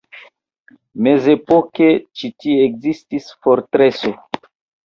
Mezepoke ĉi tie ekzistis fortreso.